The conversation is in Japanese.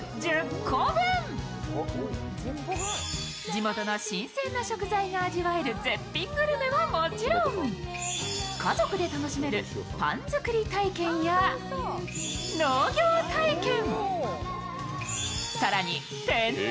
地元の新鮮な食材が味わえる絶品グルメはもちろん家族で楽しめるパン作り体験や農業体験。